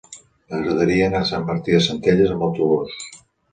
M'agradaria anar a Sant Martí de Centelles amb autobús.